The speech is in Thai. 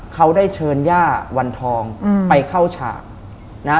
เขาได้เชิญหญ้าวันทองไปเข้าฉา